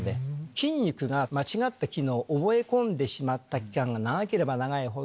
筋肉が間違った機能を覚え込んでしまった期間が長ければ長いほど。